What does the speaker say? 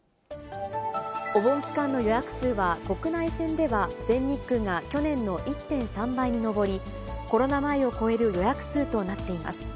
お盆期間の予約数は、国内線では全日空が去年の１．３倍に上り、コロナ前を超える予約数となっています。